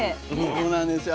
そうなんですよ。